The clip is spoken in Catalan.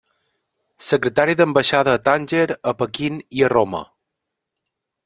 Secretari d'ambaixada a Tanger, a Pequín i a Roma.